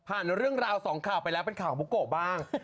เรื่องราวสองข่าวไปแล้วเป็นข่าวของบุโกะบ้าง